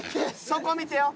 そこ見てよ。